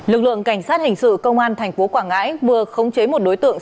lực lượng cảnh sát hình sự công an tp quảng ngãi vừa khống chế một đối tượng